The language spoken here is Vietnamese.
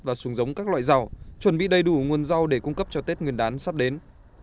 và xuống giống các loại rau chuẩn bị đầy đủ nguồn rau để cung cấp cho tết nguyên đán sắp đến